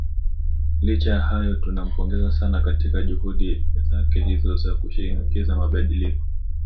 licha ya hayo tunampongeza sana katika juhudi zake hizo za kushinikiza mabadiliko